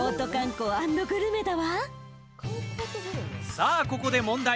さあ、ここで問題。